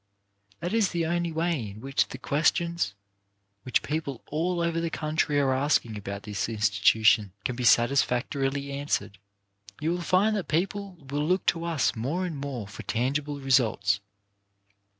That is the only way in which the questions which people all over the country are asking about this institution can be satisfactorily answered. You will find that people will look to us more and more for tangible results.